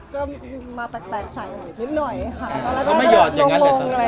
ก็มาแปลกใส่หน่อยนิดหน่อยค่ะ